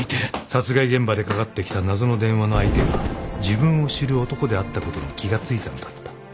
［殺害現場でかかってきた謎の電話の相手が自分を知る男であったことに気が付いたのだった］